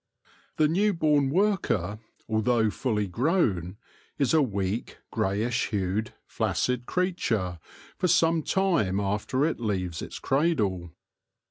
The new born worker, although fully grown, is a weak, greyish hued, flaccid creature for some time after it leaves its cradle.